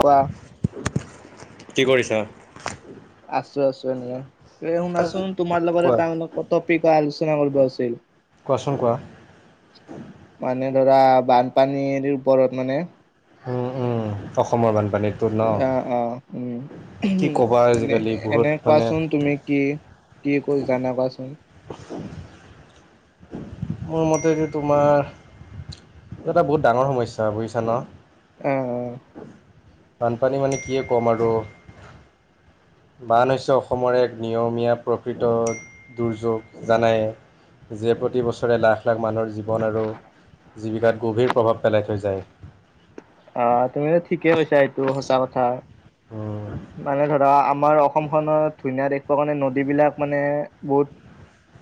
কোৱা কি কৰিছা আছো আছো এনে এ শুনাচোন তোমাৰ লগত কোৱা এটা টপিক আলোচনা কৰিব আছিল কোৱাচোন কোৱা মানে ধৰা বানপানীৰ ওপৰত মানে উম উম অসমৰ বানপানীত অ অ উম, কি ক'বা উমহ এ আজিকালি বহুত এনে মানে কোৱাচোন তুমি কি কি কু জানা কোৱাচোন মোৰ মতে যে তোমাৰ এটা বহুত ডাঙৰ সমস্যা বুয়িছা ন অ অ বানপানী মানে কিয়ে ক'ম আৰু বান হৈছে অসমৰ এক নিয়মীয়া প্ৰকৃত দুৰ্যোগ জানাই যিয়ে প্ৰতি বছৰ ৰে লাখ লাখ মানুহৰ জীৱন আৰু জীৱিকাত গভীৰ প্ৰভাৱ পেলাই থৈ যায় অ তুমিয়ো ঠিকেই কৈছা এইটো সঁচা কথা মানে ধৰা আপ আমাৰ অসমখনত ধুনীয়া দেশ কাৰণে নদী বিলাক মানে বহুত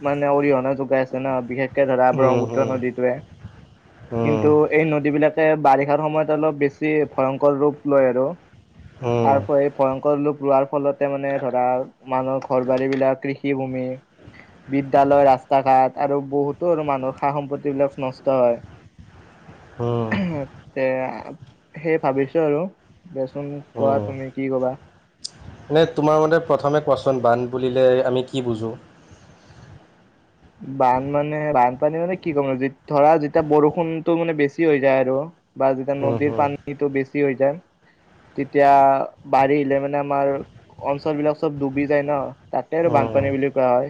মানে অৰিহণা যোগাই আছে ন বিশেষ ধৰা ব্ৰহ্মপুত্ৰ এনে নদীটোৱে কিন্তু এই নদীবিলাকে বাৰিষাৰ সময়ত বেছি ভয়ংকৰ ৰূপ লৈ আৰু [unintelligible] ভয়ংকৰ লোপ লোৱাৰ ফলতে মানে ধৰা মানুহৰ ঘৰ বাৰী বিলাক কৃষিভূমি বিদ্যালয় ৰাস্তা ঘাট আৰু বহুতো মানুহৰ সা সম্পত্তি বিলাক নষ্ট হয় তে সেই ভাবিছো আৰু দিয়াচোন কোৱা তুমি কি কবা তোমাৰ মতে প্ৰথমে কোৱাচোন বান্ধ বুলিলে আমি কি বুজোঁ বান মানে বানপানী মানে কি ক'ম যিত ধৰা যেতিয়া বৰষুণতটো মানে বেছি হৈ যায় আৰু বা যেতিয়া উম নদীৰ হুম পানীটো বেছি হৈ যায় তেতিয়া বাঢ়িলে মানে আমাৰ অঞ্চল বিলাক চব ডুবি যায় ন তাতে আৰু উম বানপানী বুলি কোৱা হয়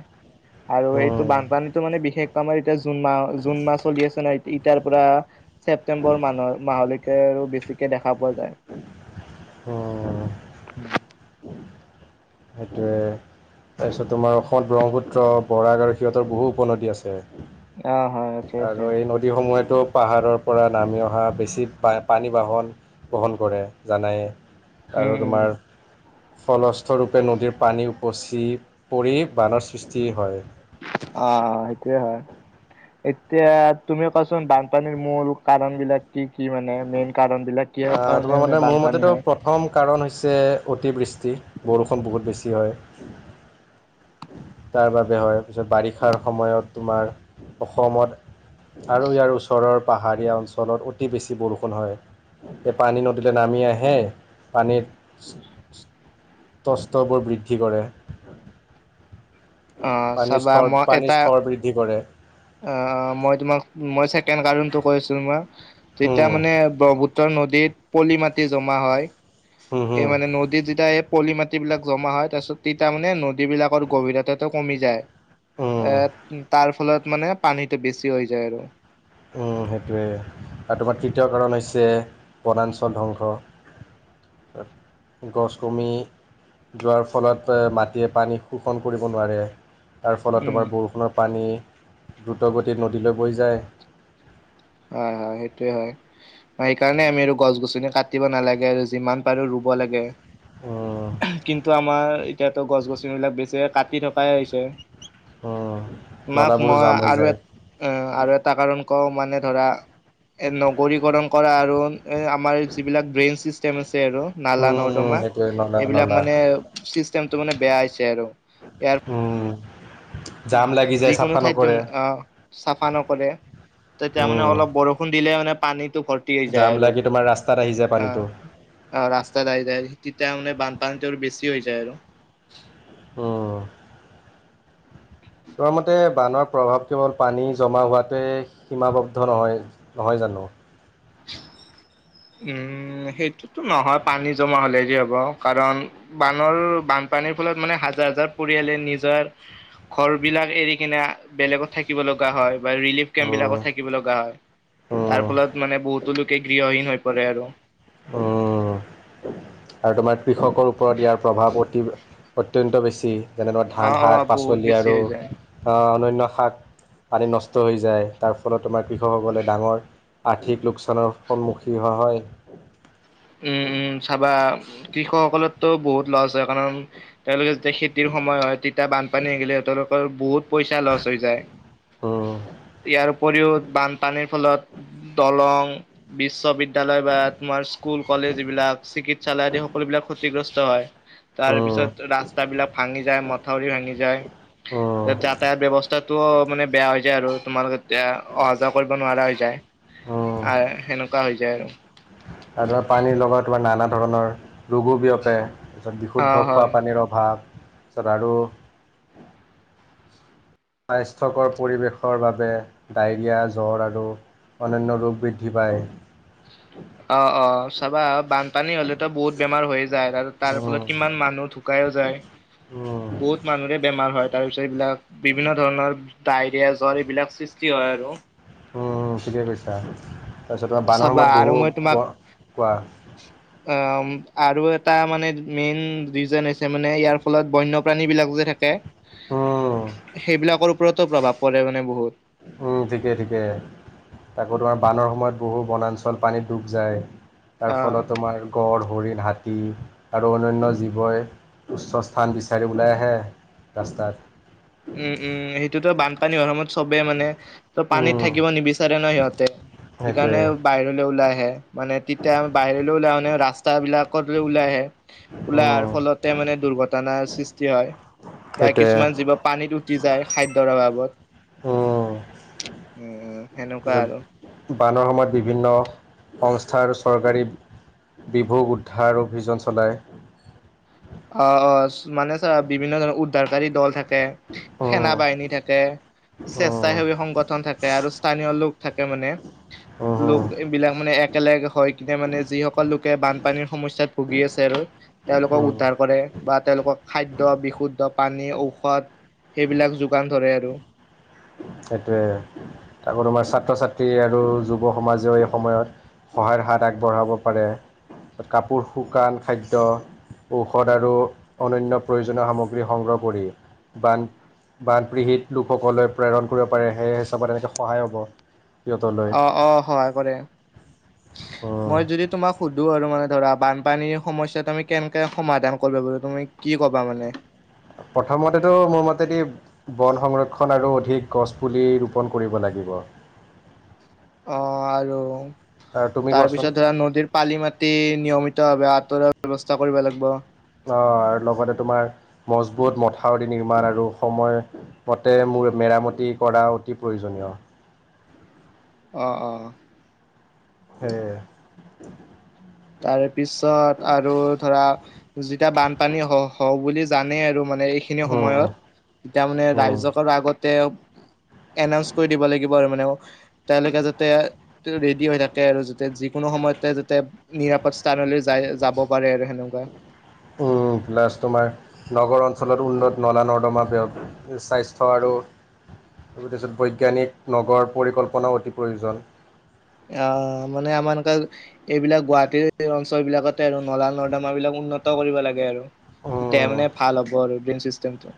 আৰু এইটো উম বানপানীটো মানে বিশেষকৈ আমাৰ এতিয়া জুন মাহ জুন মাহ চলি আছে ন এতিয়াৰ পৰা ছেপ্তেম্বৰ মানৰ মাহলৈ কে আৰু বেছিকে দেখা পোৱা যায় উম সেইটোয়ে তাৰপিছত তোমাৰ অসমত ব্ৰহ্মপুত্ৰ বৰাক আৰু সিহঁতৰ বহু উপনদী আছে আ আৰু এই নদীসমূহেতো পাহাৰৰ পৰা নামি অহা বেছি পানী বাহন ব্ৰহন কৰে জানাই উম আৰু উম তোমাৰ ফলস্থৰূপে নদীৰ পানী উপচি পৰি বানৰ সৃষ্টি হয় অ সেইটোয়ে হয় এতিয়া তুমি কোৱাচোন বানপানীৰ মূল কাৰণ বিলাক কি কি মানে মেইন কাৰণ বিলাক কি আহ, তোমাৰ কাৰণে মতে মানে মোৰ বানপানী মতেতো হয় প্ৰথম কাৰণ হৈছে অতিবৃষ্টি বৰষুণ বহুত বেছি হয় তাৰ বাবে হয় তাৰ পিছত বাৰিষাৰ সময়ত তোমাৰ অসমত আৰু ইয়াৰ ওচৰৰ পাহাৰীয়া অঞ্চলত অতি বেছি বৰষুণ হয় এ পানী নদীলৈ নামি আহে পানীত তস্ত্ৰবোৰ বৃদ্ধি কৰে অ' পানীৰ চাবা স্তৰ মই পানীৰ এটা স্তৰ বৃদ্ধি কৰে অ মই তোমাক মই চেকেণ্ড কাৰণটো কৈছো মই তেতিয়া উম, মানে ব্ৰহ্মপুত্ৰ নদীত পলি মাটি জমা হয় হুম হুম এই মানে নদী যিটা [unintelligible] এ কলি মাটিবিলাক জমা হয় তাৰপিছত তিতাৰ মানে নদীবিলাকৰ গভীৰতাটো কমি যায় উম এ তাৰ ফলত মানে পানীটো বেছি হৈ যায় আৰু সেইটোৱে আৰু তোমাৰ তৃতীয় কাৰণ হৈছে বনাঞ্চল ধ্বংস গছ কমি [unintelligible] যোৱাৰ ফলত মাটিয়ে পানী শোষণ কৰিব নোৱাৰে তাৰ ফলত উম তোমাৰ বৰষুণৰ পানী দ্ৰুত গতিত নদীলৈ বৈ যায় হয় হয় সেইটোৱে হয় সেইকাৰণে আমি আৰু গছ গছনি কাটিব নালাগে আৰু যিমান পাৰো ৰুব লাগে উম, কিন্তু আমাৰ এতিয়াতো গছ গছনিবিলাক বেছি কাটি থকাই হৈছে উম, তোমাক নলাবোৰো মই জাম হৈ আৰু এ যায় আৰু এটা কাৰণ কৰ মানে ধৰা নবৰিকৰ্ণ কৰা আৰু আমাৰ ইবিলক যি গ্ৰেন চিষ্টেম [unintelligible] আৰু নালা উম, উম, নৰ্দমা সেইটোৱে নলা সেইবিলাক নলা মানে চিষ্টেমটো মানে বেয়া হৈছে আৰু [unintelligible] উম জাম লাগি যায় যিকোনো চাফা ঠাইত তেওঁ নকৰে। আহ চাফা নকৰে তেতিয়া মানে উম, অলপ বৰষুণ দিলে মানে পানীত ত' ভৰ্তি জাম যায় আৰু, লাগি তোমাৰ ৰাস্তাত আহি যায় পানীটো। অ' অ' ৰাস্তাত আহী যায় তিয়া মানে বানপানীটো আৰু বেছি হৈ যায় আৰু। অ'। তোমাৰ মতে বানৰ প্ৰভাৱ কেৱল পানী জমা হোৱাতে সীমাবদ্ধ নহয়, নহয় জানো? হেল্ল' উম, সেইটোতো নহয় পানী জমা হলে যে হ'ব কাৰণ বানৰ বানপান পানীৰ ফলত মানে হাজাৰ হাজাৰ পৰিয়ালে নিজৰ ঘৰ বিলাক এৰি কিনে বেলেগত থাকিব লগা হয়। বা ৰিলিফ কেম্প উম, বিলাকত থাকিব লগা হয়। তাৰ উম, ফলত মানে বহুতো লোকে গৃহহীন হৈ পৰে আৰু। উম। আৰু তোমাৰ কৃষকৰ ওপৰত ইয়াৰ প্ৰভাৱ অতি অত্যন্ত বেছি। যেনে ধৰা অ ধান, অ শাক, বহুত পাচলি বেছি আৰু হৈ যায়। আ অনন্য শাক পানী নষ্ট হৈ যায়, তাৰ ফলত তোমাৰ কৃষকসকলে ডাঙৰ আৰ্থিক লোকচানৰ সন্মুখী হোৱা হয়। উম উম, চাবা কৃষকসকলৰতো বহুত লছ হয় কাৰণ তেওঁলোকে তে খেতিৰ সময় হয় তিতা বানপানী আহিলে সিঁহলোকৰ বহুত পইচা লচ হৈ যায়। উম, ইয়াৰ উপৰিও বানপানীৰ ফলত দলং, বিশ্ববিদ্যালয়, বা তোমাৰ স্কুল কলেজ, যি বিলাক চিকিৎসালয়, আদি সকলো বিলাক ক্ষতিগ্ৰস্ত হয়। তাৰ উম, পিছত ৰাস্তাবিলাক ভাঙি যায়, মথাউৰি ভাঙি যায়। উম। যাতায়াত ব্যৱস্থাতটোও মানে বেয়া হৈ আৰু তোমালোকে এতিয়া অহা যোৱা কৰিব নোৱাৰা হৈ যায়। আৰ আৰু সেনেকুৱা হৈ যায় আৰু। আৰু পানী লগত তোমাৰ নানা ধৰণৰ ৰোগো বিয়পে। পিছত অ বিশুদ্ধ হয় খোৱাপানীৰ অভাৱ, তাৰপিছত আৰু স্বাস্থ্যকৰ পৰিৱেশৰ বাবে, ডায়ৰিয়া, জ্বৰ আৰু অনান্য ৰোগ বৃদ্ধি পায়। অ' অ', চাবা বান পানী হ'লেতো বহুত বেমাৰ হৈ যায় আৰু তাৰ উম, ফলত কিমান মানুহ ঢুকাইও যায়। উম, বহুত মানুহৰে বেমাৰ হয়, তাৰে পিছত এইবিলাক বিভিন্ন ধৰণৰ ডায়েৰিয়া, জ্বৰ এইবিলাক সৃষ্টি হয় আৰু। উম, ঠিকে কৈছা। তাৰপিছত তোমাৰ বানৰ চাবা সময়ত আৰু বহু, মই তোমাক কোৱা কোৱা অ', আৰু এটা মানে মেইন ৰিজন হৈছে মানে ইয়াৰ ফলত বন্যপ্ৰাণী বিলাক যে থাকে উম, সেইবিলাকৰ ওপৰতো প্ৰভাৱ পৰে মানে বহুত। উম, ঠিকে ঠিকে। তাকো তোমাৰ বানৰ সময়ত বহু বনাঞ্চল পানীত ডুব যায়। তাৰ অ ফলত তোমাৰ গড়, হৰিণ, হাতী তী আৰু অন্যন্য জীৱই উচ্চ স্থান বিচাৰি ওলাই আহে। ৰাস্তাত উম উম, সেইটোতো বানপানী হোৱাৰ সময়ত চবে মানে ত' পানীত উম, থাকিব নিবিচা ৰে ন সিহঁতে। সেইটোৱে সিকাৰণে বাহিৰলে ওলাই আহে, মানে তিতা বাহিৰলৈ মানে ৰাস্তা বিলাকত যে ওলাই আহে, ওলাই আহাৰ উম, ফলতে মানে দুৰ্ঘটনা সৃষ্টি হয়, বা সেইটোৱে কিছুমান জীৱ পানীত উটি যায় খাদ্যৰ অভাৱ ৱত, উম সেনেকুৱা আৰু। পিছত, বানৰ সময়ত বিভিন্ন সংস্থাৰ চৰকাৰী বিভোগ উদ্ধাৰ অভিযান চলায়। অ' অ', চ মানে চা বিভিন্ন ধৰণৰ উদ্ধাৰকাৰী দল থাকে থাকে, সেনা উম, বাহিনী থাকে। উম, স্বেচ্চাসেৱী সংগঠন থাকে আৰু স্থানীয় লোক থাকে মানে। উম, লোক এইবিলাক মানে একেলগে হয় কিতা মানে যিসকল লোকে বানপানীৰ সমস্যাত ভুগি তেওঁলোকক উম, উদ্ধাৰ কৰে বা তেওঁলোকক খাদ্য, বিশুদ্ধ পানী, ঔষধ সেইবিলাক যোগান ধৰে আৰু। সেইটোৱে, আকৌ তোমাৰ ছাত্ৰ ছাত্ৰী আৰু যুৱ সমাজেও এই সময়ত। সহায়ৰ হাত আগবঢ়াব পাৰে কাপোৰ, শুকান খাদ্য। ঔষধ আৰু অনন্য প্ৰয়োজনীয় সামগ্ৰী সংগ্ৰহ কৰি বান বানপীৰিত লোকসকলক প্ৰেৰণ কৰিব পাৰে সেই হিচাপত এনেকৈ সহায় হ'ব। সিহঁতলৈ অ'অ'সহায় কৰে, মই যদি তোমাক সুধো আৰু মানে ধৰা বানপানীৰ সমস্যাটো আমি কেনেকে সমাধান কৰিব পাৰো তুমি কি কবা মানে। প্ৰথমতেটো মোৰ মতেদি বন সংৰক্ষণ আৰু অধিক গছ পুলি ৰোপন কৰিব লাগে। লাগিব। অ' আৰু তুমি কোৱাচোন তাৰপিছত ধৰা নদীৰ পালি মাটি নিয়মিতভাৱে আঁতৰাৰ ব্যৱস্থা কৰিব লাগিব। অ' আৰু লগতে তোমাৰ মজবুত মথাউৰি নিৰ্মাণ আৰু সময়মতে মেৰামতি কৰা অতি প্ৰয়োজনীয়। অ', অ'। সেয়ে তাৰ পিছত আৰু ধৰা যেতিয়া বানপানী হ হওঁ বুলি জানেই আৰু। মানে এইখিনি উম, সময়ত তেতিয়া মানে ৰাইজ উম, সকল আগতে এনাউন্স কৰি দিব লাগিব আৰু মানে অ তেওঁলোকে যাতে ৰেডি হৈ থাকে আৰু যাতে যিকোনো সময়তে যাতে নিৰাপদ স্থানলৈ যায় যাব পাৰে আৰু সেনেকুৱা। উম প্লাছ তোমাৰ নগৰ অঞ্চলত উন্নত নলা নৰ্দমা ব্যৱ স্বাস্থ্য আৰু তাৰ পিছত বৈজ্ঞানিক নগৰ পৰিকল্পনাও অতি প্ৰয়োজন। অঁ মানে আমাৰ তাতে এইবিলাক গুৱাহাটীৰ অঞ্চল বিলাকতে আৰু নলা নৰ্দমা বিলাক উন্নত কৰিব লাগে আৰু তেতিয়া উম, মানে ভাল হ'ব আৰু ড্ৰেইন চিষ্টেমটো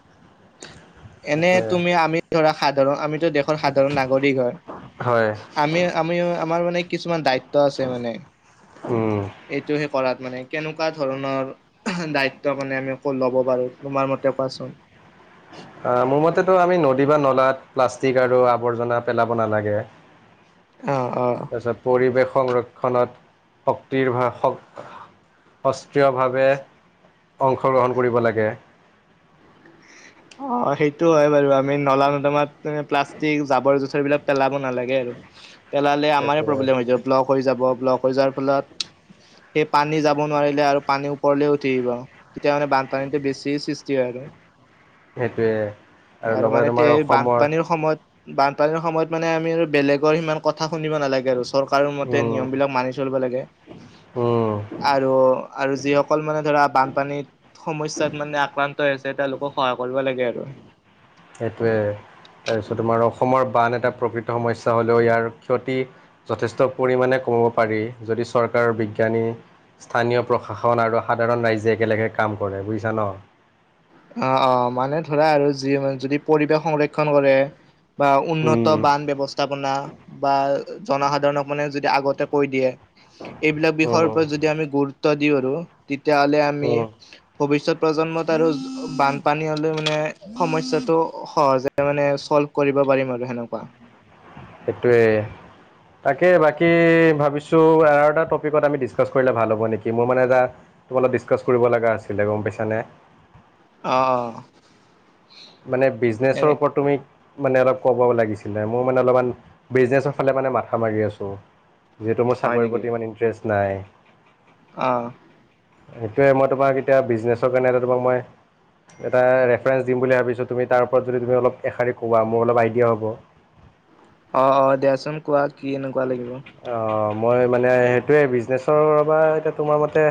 এনে সেইটোৱে তুমি আমি ধৰা সাধাৰণ আমি দেশৰ সাধাৰণ নাগৰিক হয় হয় আমি আমি আমাৰ মানে কিছুমান দায়িত্ব আছে মানে উম, এইটোহে কৰাত মানে কেনেকুৱা ধৰণৰ দায়িত্ব মানে আমি আকৌ ল'ব পাৰোঁ তোমাৰ মতে কোৱাচোন অ' মোৰ মতেতো আমি নদী বা নলাত প্লাষ্টিক আৰু আৱৰ্জনা পেলাব নালাগে। অ অ তাৰপিছত পৰিৱেশ সংৰক্ষণত শক্তিৰ ভা শক অস্ত্ৰীয়ভাৱে অংশগ্ৰহণ কৰিব লাগে। অ' সেইটো হয় বাৰু আমি নলা নদমাত প্লাষ্টিক জাবৰ জোথৰ এইবিলাক পেলাব নালাগে আৰু পেলালে আমাৰ প্ৰব্লেম সেইটোৱে হৈ যায় ব্লক হৈ যাব ব্লক হৈ যোৱাৰ ফলত সেই পানী যাব নোৱাৰিলে আৰু পানী ওপৰলে উঠি আহিব আৰু তেতিয়া মানে বানপানীটো বেছি সৃষ্টি হয়। আৰু আৰু লগতে মানে তোমাৰ অসমৰ বানপানীৰ সময়ত বানপানীৰ সময়ত মানে আমি আৰু বেলেগৰ সিমান কথা কথা শুনিব নালাগে আৰু চৰকাৰৰ মতে উম নিয়ম বিলাক মানি চলিব লাগে। উম আৰু আৰু যিসকল মানে ধৰা বানপানীত সমস্যাত মানে আক্ৰান্ত হৈ আছে এ তেওঁলোকক মানে সহায় কৰিব লাগে আৰু। সেইটোৱেই তাৰপিছত তোমাৰ অসমৰ বান এটা প্ৰকৃত সমস্যা হ'লেও ইয়াৰ ক্ষতি যথেষ্ট পৰিমাণে কব পাৰি যদি চৰকাৰৰ বিজ্ঞানী স্থানীয় প্ৰশাসন আৰু সাধাৰণ ৰাইজে একেলগে কাম কৰে বুজিছা ন অঁ অঁ মানে ধৰা আৰু যি যদি পৰিৱেশ সংৰক্ষণ কৰে বা উন্নত উম বান ব্যৱস্থা- -পনা বা জনসাধাৰণক মানে যদি আগতে কৈ দিয়ে এইবিলাক বিষয়ৰ উম ওপৰত যদি আমি গুৰুত্ব দিওঁ আৰু তেতিয়াহ'লে আমি উম ভৱিষ্যত প্ৰজন্মত আৰু বানপানী হলে মানে সমস্যাটো সহজে মানে চল্ভ কৰিব পাৰিম আৰু সেনকা সেইটোৱে তাকে বাকী ভাবিছো আৰু এটা টপিকত আমি ডিচকাছ কৰিলে ভাল হ'ব নেকি মোৰ মানে এটা তোমাৰ ডিছকাচ কৰিব লগা আছিলে গম পাইছানে অঁ অঁ মানে বিজনেচৰ ওপৰত তুমি মানে অলপ ক'ব লাগিছিলে মোৰ মানে অলপমান বিজনেচৰ ফালে মানে মাথা মাৰি আছো যিহেতু মোৰ চাকৰিৰ প্ৰতি ইমান ইণ্টৰেষ্ট নাই অঁ সেইটোৱে মই তোমাক এটা বিজনেচৰ কাৰণে মই এটা ৰেফাৰেঞ্চ দিম বুলি ভা তাৰপিছত তুমি তাৰ ওপৰত যদি তুমি অলপ এষাৰী কোৱা মোৰ অলপ আইডিয়া হব অঁ অঁ দিয়াচোন কোৱা কি এনেকুৱা লাগিব অঁ, মই মানে সেইটোয়ে বিজনেচৰ বা এতিয়া তোমাৰ মতে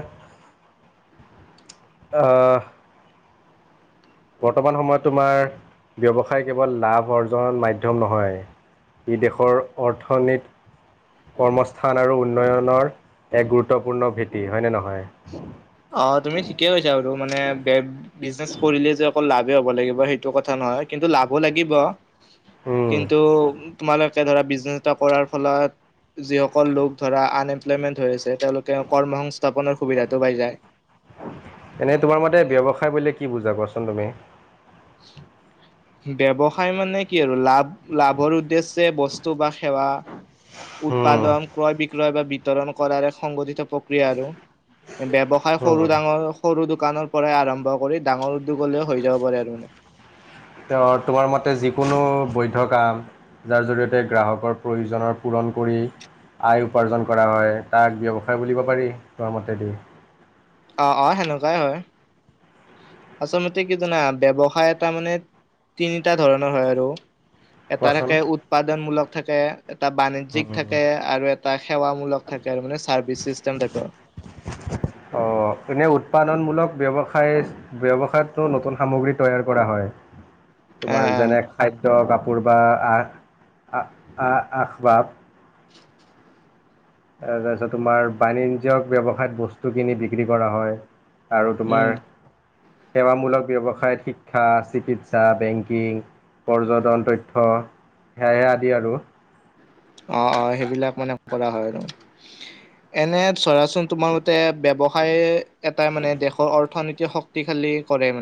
অঁ বৰ্তমান সময়ত তোমাৰ ব্যৱসায় কেৱল লাভ অৰ্জন মাধ্যম নহয় ই দেশৰ অৰ্থনীত কৰ্মস্থান আৰু উন্নয়নৰ এক গুৰুত্বপূৰ্ণ ভেটি হয় নে নহয় অঁ তুমি ঠিকে কৈছা বাৰু মানে বিজনেচ কৰিলে যে অকল লাভ লব লাগিব সেইটো কথা নহয় কিন্তু লাভো লাগিব উম, কিন্তু তোমাৰ- ধৰা বিৰ্জনেচ এটা কৰাৰ ফলত- যিসকল লোক ধৰা আনএমপ্লয়মেন্ট হৈ আছে তেওঁলোকে কৰ্ম সংস্থাপনৰ সুবিধাটো পাই যায়। এনেই তোমাৰ মতে ব্যৱসাই বুলিলে কি বুজা কোৱাচোন তুমি? ব্যৱসাই মানে কি আৰু লাভ লাভৰ উদ্দেশ্যে বস্তু বা সেৱা উম, উৎপাদন ক্ৰয় বিক্ৰয় বা বিভ- বিতৰণ কৰা এক সংঘঠিত প্ৰক্ৰিয়া আৰু ব্যৱসাই সৰু উম, ডাঙৰ সৰু- দোকানৰ পৰাই আৰম্ভ কৰি ডাঙৰ উদ্যোগলৈও হৈ যাব পাৰে আৰু মানে। তেওঁ তোমাৰ মতে যিকোনো বৈধ্য কাম জাৰ জৰিয়তে গ্ৰাহকৰ প্ৰয়োজনৰ পূুৰণ- কৰি আয় উপাৰ্জন কৰা হয়। তাক ব্যৱসায় বুলিব পাৰি তোমাৰ মতেদি। অঁ অঁ সেনেকুৱাই হয়। আচলতে কি জানা ব্যৱসায় এটা মানে তিনিটা ধৰণৰ হয় আৰু। এটা কোৱাচোন? থাকে উৎপাদনমূলক থাকে। এটা বাণিজ্যিক উম। থাকে আৰু এটা সেৱামূলক থাকে আৰু মানে চাৰ্ভিছ চিন্টেম টাইপৰ। [unintelligible] অঁ এনেই উৎপাদনমূলক ব্যৱসায় ব্যৱসায়তো নতুন সামগ্ৰী তৈয়াৰ কৰা হয়। [unintelligible] তোমাৰ আহ যেনে খাদ্য কাপোৰ বা আ আ আস বাৰ- তাৰপিছত তোমাৰ বাণিজ্যিক ব্যৱসায়ত বস্তু কিনি বিক্ৰী কৰা হয়। আৰু উম তোমাৰ- সেৱামূলক ব্যৱসায়ত শিক্ষা, চিকিৎসা, বেংকিং- পৰ্যটন তথ্য সেয়াই আদি আৰু। অঁ অঁ সেইবিলাক মানে কৰা হয় আৰু এনেই চাবচোন তোমাৰ মতে ব্যৱসায় এটা মানে দেশৰ অৰ্থনীতিৰ শক্তিশালী- কৰে মানে।